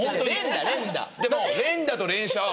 でも。